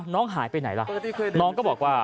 น้องหายไปไหนล่ะ